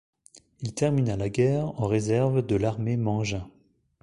Il termina la guerre en réserve de l’Armée Mangin.